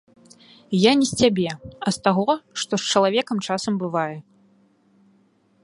Я не з цябе, а з таго, што з чалавекам часам бывае.